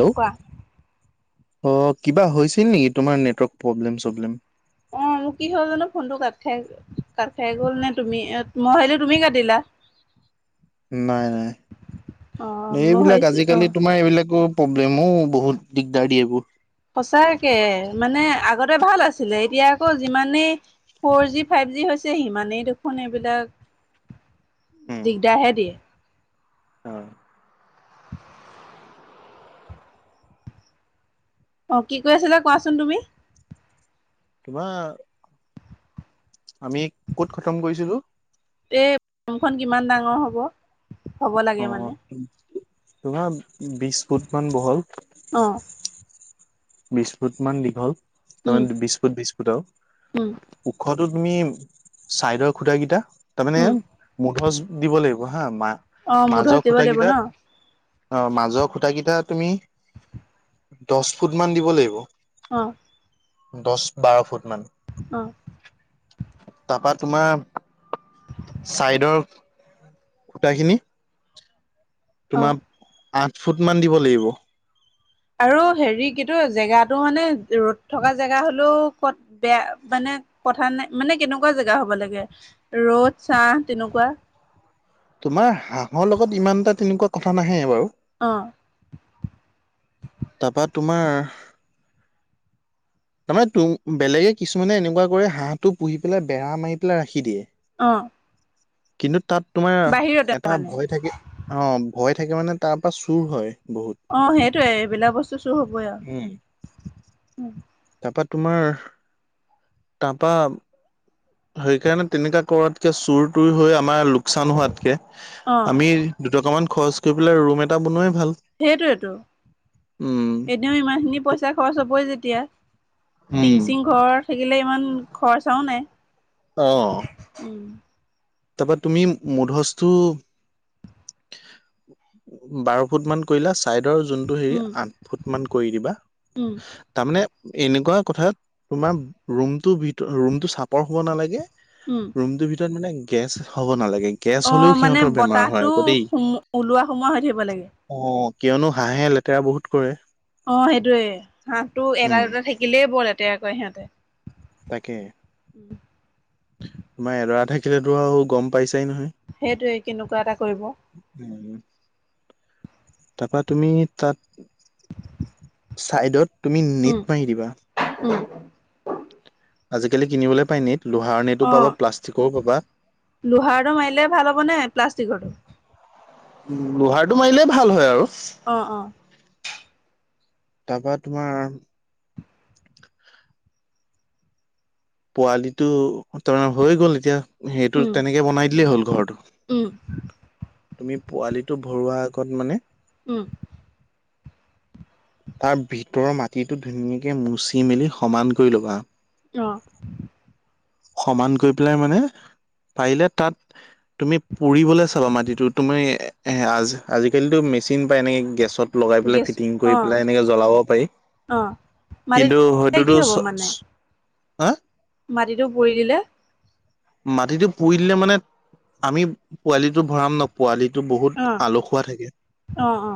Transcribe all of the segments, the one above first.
Hello কোৱা। অ কিবা হৈছিল নেকি তোমাৰ নেটৱৰ্ক প্ৰব্লেম- চব্লেম। অ মোক কি হল জানো ফোনটো কাট খাই কাট খাই গ'ল নে তুমি মই ভাবিলোঁ তুমি কাটিলা। [inaudible] নাই অ নাই মই এইবিলাক ভাবিছো অ আজিকালি তোমাৰ এইবিলাকো প্ৰব্লেম বহুত দিগদাৰ এইবোৰ। সঁচাকে মানে আগতে ভাল আছিলে। এতিয়া আকৌ যিমানেই ফ'ৰ জি ফাইভ জি হৈছে সিমানেই দেখোন এইবিলাক দিগদাৰ হে দিয়ে। উম অ কি কৈ আছিলা কোৱাচোন তুমি? কিবা আমি ক'ত খতম কৰিছিলোঁ। এই ফমখন কিমান ডাঙৰ হ'ব, হ'ব অ লাগে মানে তোমাৰ বিশ ফুট মান বহল। অ বিশ ফুট মান দীঘল উম তাৰমান বিশ ফুট বিশ ফুট উম আৰু ওখত তো তুমি চাইডৰ খুঁটাকেইটা তাৰ মানে উম মুধচ দিব লাগিব হা মা অ মুধচ মাজৰ দিব লাগিব ন খুঁটাকেইটাত অ', মাজৰ খুঁটাকেইটা তুমি, দশ ফুট মান দিব লাগিব। অ দছ বাৰ ফুট মান। অ তাৰপা তোমাৰ চাইডৰ খুটাখিনি অ তোমাক আঠ ফুট মান দিব লাগিব। আৰু হেৰি কিন্তু জেগাতটো মানে ৰ'দ থকা জেগা হ'লেও ক'ত বেয়া মানে কথা নাই মানে কেনেকুৱা জেগা হ'ব লাগে ৰ'দ, চাহ, তেনেকুৱা তোমাৰ হাঁহৰ লগত ইমান এটা তেনেকুৱা কথা নাহে বাৰু। অ তাৰপা তোমাৰ তাৰমানে ত বেলেগে কিছুমানে এনেকুৱা কৰি হাঁহটো পুহি পেলাই বেৰা মাৰি পেলাই ৰাখি দিয়ে। অ কিন্তু তাত তোমাৰ বাহিৰতে এটা মানে ভয় থাকে অ ভয় থাকে মানে তাৰ পৰা চুৰ হয়। বহুত অ সেইটোৱে এইবিলাক বস্তু চু হবই আৱ। তাপা তোমাৰ? তাপা সেইকাৰণে তেনেকা কৰতকে চুৰ তুৰ হৈ আমাৰ লোকচান হোৱাতকে অ আমি দুটকামান খৰচ কৰি পেলাই ৰুম এটা বনুৱাই। সেইটোৱেতু উম এতিয়াও ইমান খিনি পইচা খৰচ হবই যেতিয়া উম টিংচিং ঘৰ থাকিলে ইমান খৰচাও নাই। অ', উম তাপা তুমি মুধচটো বাৰ ফুট মান কৰিলা চাইদ ভিতৰৰ যুনটো সেই উম আঠ ফুট মান কৰি দিবা উম তামানে এনেকুৱা কোঠাত তোমাৰ ৰুমটোৰ ভিতৰ ৰুমটো চাপৰ হব নালাগে। উম ৰুমটোৰ ভিতৰত মানে গেছ হ'ব নালাগে। গেছ অ হলেও মানে সিহঁতৰ বেমাৰ বতাহটো হয় আকৌ দেই ওলোৱা সোমোৱা হৈ থাকিব লাগে অ। কিয়নো হাঁহে লেতেৰা বহুত কৰে। অ সেইটোৱে হাঁহটো এটা উম, দুটা থাকিলেই ব লেতেৰা কৰে সিহঁতে। তাকে। তোমাৰ এডৰা থাকিলেতো আৰু গম পাইছ ছাই নহয়। সেইটোৱে কেনেকুৱা এটা কৰিব উম তাপা তুমি তাত। [unintelligible] চাইডত তুমি নেট উম মাৰি দিবা। [unintelligible] আজিকালি কিনিবলে পায় নেট। লোহাৰ নেটো অ পাবা প্লাষ্টিকৰো পাবা। লোহাৰটো মাৰিলে ভাল হ'ব নে প্লাষ্টিকৰটো? লোহাৰটো মাৰিলে ভাল হয় আৰু। অ অ তাপা তোমাৰ পোৱালিটো তাৰমানে হৈ গ'ল এতিয়া সেইটো উম তেনেকে বনাই দিলেই হ'ল ঘৰটো। উম। তুমি পোৱালিটো ভৰোৱা আগত মানে। উম। তাৰ ভিতৰৰ মাটিটো ধুনীয়াকে মুচি মেলি সমান কৰি ল'বা। অ। সমান কৰি পেলাই মানে পাৰিলে তাত তুমি পুৰিবলে চাবা মাটিতো তুমি এ আজ আজিকালিতো মেচিন পাই এনেকে গেছত লগাই পেলাই গেছ ফিটিং অ কৰি পেলাই এনেকে জ্বলাব পাৰি। অ মাটিত কিন্তু হটোত চ চ হা মাটিতো পৰি দিলে। মাটিটো পুৰি দিলে মানে আমি পোৱালিটো ভৰাম ন পোৱালিত টো অ বহুত আলসুৱা থাকে। অ অ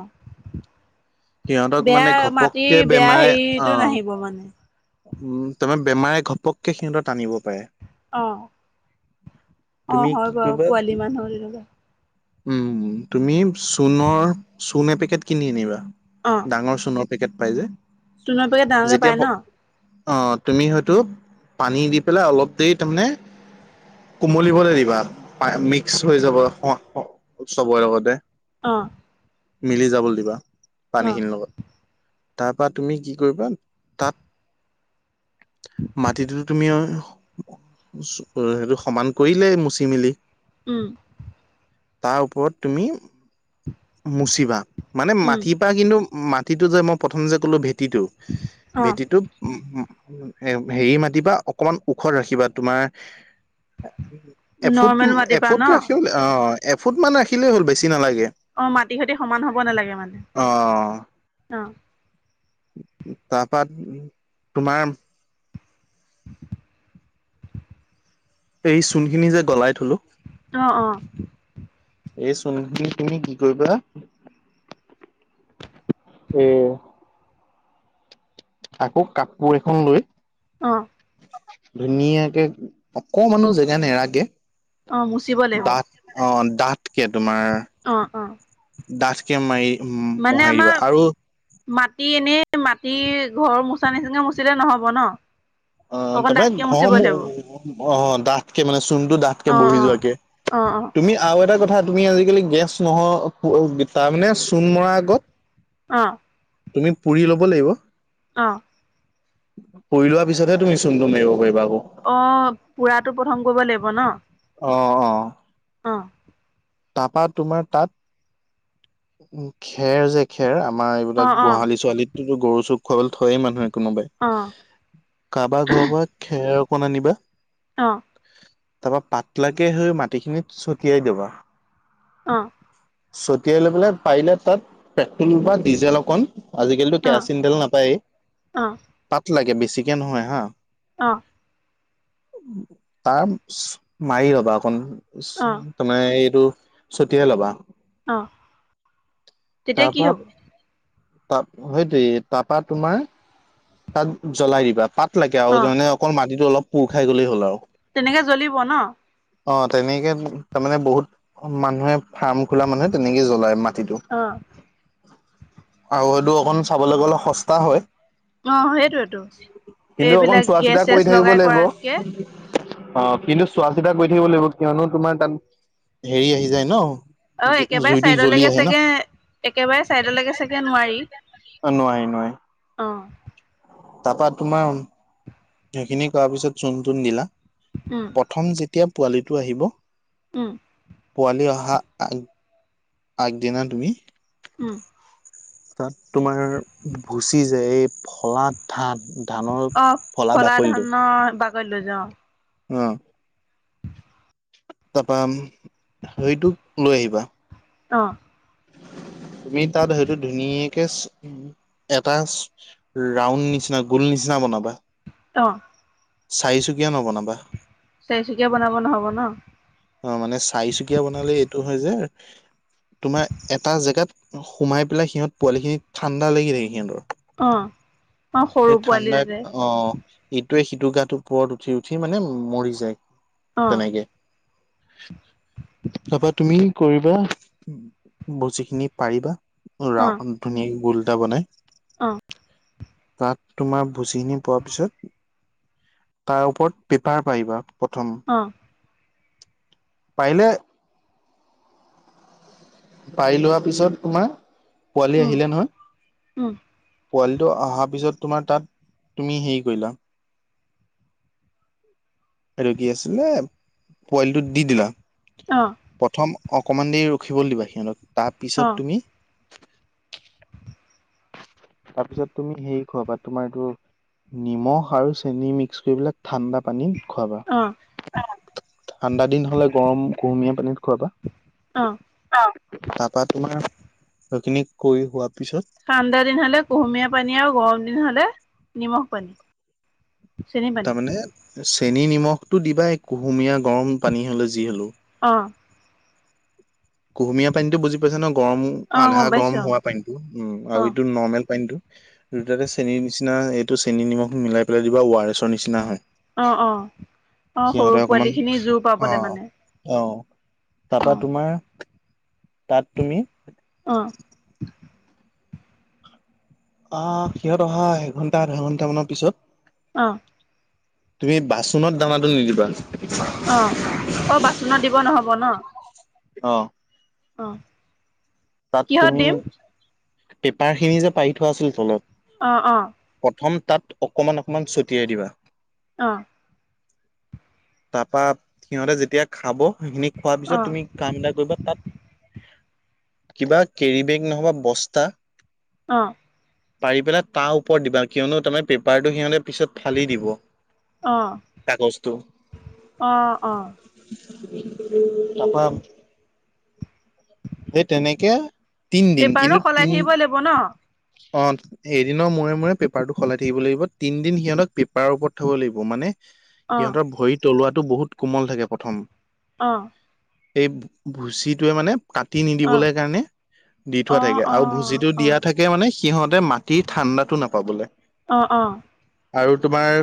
সিহঁতক বেয়া মানে মাটিৰ ঘপককে বেয়া বেমাৰে হেৰিটো অ। নাহিব মানে উম তামে বেমাৰে ঘপককে সিহঁতক টানিব পাৰে। অ। [unintelligible] অ হয় কি বাৰু কৰিবা পোৱালি মানুহ তেনকা উম তুমি চূণৰ চূণ এপেকেট কিনি আনিবা। ডাঙৰ চূণৰ পেকেট পাই যে চূণৰ পেকেট ডাঙৰকে যেতিয়া পাই ন? অ তুমি হয়তো পানী দি পেলাই অলপ দেৰি তামানে কোমলিবলে দিবা পা মিক্স হৈ যাব চবৰে লগতে। অ। মিলি যাবলে দিবা অ পানীখিনিৰ লগত। তাপা তুমি কি কৰিবা তাত মাটিটোতো তুমি অ সেইটো সমান কৰিলেই মুচি মেলি। উম! তাৰ ওপৰত তুমি মুচিবা মানে উম মাটিৰ পা কিন্তু মাটিটো যে মই প্ৰথম যে ক'লো ভেটিটো অ ভেটিটো উম উব এ হেৰি মাতিবা অকমান ওখত ৰাখিবা তোমাৰ এফুট নৰ্মেল মাটিৰ পৰা ন এফুট ৰাখি অ এফুট মান ৰাখিলেই হ'ল বেছি নালাগে। অ মাটি সৈতি সমান হব নালাগে মানে। অ তাপা উ তোমাৰ [unintelligible] এই চূণ খিনি যে গলাই থলো অহ অ! এই চোনখিনি তুমি কি কৰিবা উম আকৌ কাপোৰ এখন লৈ অ! ধুনীয়াকে অকমানো জেগা নেৰাকে অ মুচিব লাগিব। ডাঁঠ কে অ অ! ডাঠ কে মা ই মানে আমাৰ মাটি এনেই মাত তি ঘৰ মোচা নিচিনা মচিলে নহব ন? অ অকণ তাপে ডাঠকে ঘৰ মুচিব মু লাগিব অ ডাঠকে মানে চূণটো ডাঠকে অ বহি অ যোৱাকে। অ অ তুমি আৰু এটা কথা তুমি আজিকালি গেছ নহ তাৰমানে চূণ মৰাৰ আগত অ! তুমি পুৰি ল'ব লাগিব। অ! পুৰি লোৱাৰ পিছতহে তুমি চূণটো মাৰিব পাৰিবা আকৌ। অ পুৰাটো প্ৰথম কৰিব লাগিব ন? অ অঁ। অ। তাৰপা তোমাৰ তাত উ খেৰ যে খেৰ। আমাৰ অ এইবিলাক অ গোহালি ছোৱালীতোতো গৰু চৰুক খুৱাবলৈ থয়ে মানুহে। কোনোবাই অ অ কাৰবাৰ ঘৰৰ পৰা খেৰ অকণ আনিবা অ! তাপা পাতলা কে সেই মাটিখিনিত ছটিয়াই দিবা। অ! ছটিয়াই লৈ পেলাই পাৰিলে তাত পেট্ৰল বা ডিজেল অকণ আজিকালিতো কেৰাচিন অ তেল নাপায়েই অ তাত লাগে বেছি চিকে নহয় হা। অ! তাৰমছ্ মাৰি লবা অকন অ তামানে এইটো ছটিয়াই ল'বা। অহ তেতিয়া কি হব? তাপ সেইটোৱেই তাপা তোমাৰ তাত জ্বলাই দিবা পাত লাগে অ আৰু মানে অকল মাটিটো অলপ পুৰ খাই গ'লেই হ'ল আৰু তেনেকে জ্বলিব ন। অ তেনেকে তামানে বহুত মানুহে ফাৰ্ম খোলা মানুহে তেনেকে জ্বলায় মাটিটো। অ আৰু সেটো অকণ চাবলে গ'লে সস্তা হয়। অ সেইটোৱেতো কিন্তু অকণ এইবিলাক চোৱা গেছ চিতা চেছ কৰি থাকিব লগাই লাগিব। কৰাতকে অ কিন্তু চোৱা চিতা কৰি থাকিব লাগিব কিয়নো তোমাৰ তাত। হেৰি আহি যায় ন আৰু একেবাৰে জুইটো জ্বলি চাইডলৈকে আহে ন। চাগে একেবাৰে চাইডলৈকে চাগে নোৱাৰি অ নোৱাই নোৱাই। অ। তাৰপা তোমাৰ সেইখিনি কৰাৰ পিছত চূণ তুণ দিলা। উম প্ৰথম যেতিয়া পোৱালিটো আহিব উম পোৱালি অহা। হা আ আগদনাা তুমি। উম। তাত তোমাৰ ভুচি যায় এই ফলা ধান। ধানৰ অ ফলা ধানৰ বাগৰিত লৈ যাওঁ। অ। তাৰপা হেৰিটো লৈ আহিবা। অ। তুমি তাত হয়তো ধুনীয়াকে। এটা ৰাউণ্ড নিচিনা গল নিচিনা বনাবা। অ। চাৰি ছোকিয়া নবনাবা। চাৰচুকীয়া বনাব নহব ন। অ মানে চাই চুকীয়া বনালে এইটো হয় যে। তোমাৰ এটা জেগাত সোমাই পেলাই সিহঁত পোৱালিখিনি ঠাণ্ডা লাগি থাকে সিহঁতৰ। অ। অ সৰু সেই পোৱালি ঠাণ্ডা তাতে অ ই। তে সিটো গাটো পৰত উঠি উঠি মানে মৰি যায় অ তেনেকে। [unintelligible] [unintelligible] তাৰাপা তুমি কৰিবা যিখিনি পাৰিবা। ৰা অ ধুনীয়াক গোলটা বনাই। অ তাত তোমাৰ ভুচিখিনি পোৱা পিছত তাৰ ওপৰত পেপাৰ পাৰিবা। প্ৰথম অ পা-ইলে পাৰি লোৱা পিছত তোমাৰ পোৱালি উম আহিলে নহয়। উম পোৱালিটো অহাৰ পিছত তোমাৰ তাত তুমি হেৰি কৰিলা। এইটো কি আছিলে, পোৱালিটো দি দিলা, অ প্ৰথম। অকমান দেৰি ৰখিব দিবা সিহঁতক তাৰ অ পিছত তুমি। [unintelligible] [unintelligible] তাৰপিছত তুমি হেৰি খোৱাবা তোমাৰ এইটো নিমখ আৰু চেনি মিক্স কৰিবা। ঠাণ্ডা পানীত খোৱাবা। অ ঠাণ্ডা দিন হলে গৰম কুহুমীয়া পানীত অ খোৱাবা। তাৰাপা তোমাৰ সেইখিনি কৰি হোৱাৰ পিছত। ঠাণ্ডা দিন হলে কুহুমীয়া পানী আৰু গৰম দিন হলে নিমখ পানী। চেনি পানী তাৰমানে চেনী নিমখতটো দিবা কুহুমীয়া গৰম পানী হলে যি হলো। অ। কুহুমীয়া পানীতটো বুজি পাইছো ন গৰম অ আধা গম গৰম পাইছো হোৱা পানীতটো উম আৰু অ অ এইটো নৰ্মেল পানীতটো। দুইততে চেনীৰ নিচিনা এইটো চেনী নিমখ মিলাই পেলাই দিবা আৰু। নিচিনা হয় অ অ অ সৰু সিহঁতে পোৱালি অকমান খিনি জোৰ অ পাবলে মানে অ। অ তাৰাপা তোমাৰ। তাত তুমি? অ। আহ সিহঁত অহা এঘন্টা আধা ঘন্টা মানৰ পিছত। অঁ। তুমি বাচনত দানা। অ অ বাচনত দিব নহ'ব ন? অহঁ। অ' তাত কিহত তুমি দিম পেপাৰ খিনি যে পাৰি থোৱা আছিল তলত অঁ অঁ প্ৰথম তাত অকণমান অকমান ছটিয়াই দিবা, অ। তাপা সিহঁতে যেতিয়া খাব। সেই খিনি খোৱাৰ অ পিছত তুমি কাম এটা কৰিবা তাত কিবা কেৰি বেগ, নহবা বস্তা অ পাৰি পেলাই তাৰ ওপৰত দিবা কিয়নো তাৰমানে পেপাৰটো সিহঁতে পিছত ফালি দিব অ কাগজটো। অ অ তাৰপা এই তেনেকে তিনদিন পেপাৰো কিন্তু সলাই তিন- থাকিব লাগিব ন অ এদিনৰ মূৰে মূৰে পেপাৰটো সলাই থাকিব লাগিব তিনদিন সিহঁতক পেপাৰৰ ওপৰত থব লাগিব মানে। অ সিহঁতৰ ভৰি তলুৱাতটো বহুত কোমল থাকে প্ৰথম। অ এ ভুচিটোৱে মানে কাটি অ নিদিবলৈ কাৰণে দি অ অ থোৱা থাকে আৰু ভুচিটো অ অ দিয়া থাক- মানে সিহঁতে মাটিৰ ঠাণ্ডাটো নাপাবলৈ অ আৰু তোমাৰ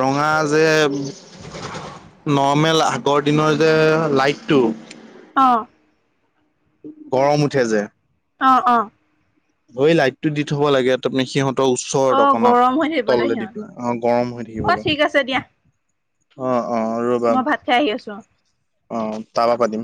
ৰঙা যে নৰ্মেল- আগৰ দিনৰ যে লাইটটো অ গৰম উঠে যে অ অ হয় লাইটটো দি থ'ব লাগে আ তাপনে সিহঁত ওচৰ অ দকনাক গৰম হৈ থাকিবলে তললে দি সিহঁত পেলাই অ গৰম হৈ অ থাকিবলে। ঠিক আছে দিয়া অঁ মই ভাত খাই আহি আছোঁ অ তাবা পাতিম।